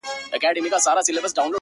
نه ! نه داسي نه ده!